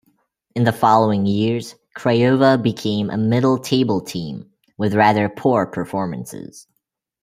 In the following years, Craiova became a middle-table team, with rather poor performances.